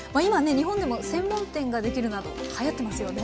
日本でも専門店ができるなどはやってますよね。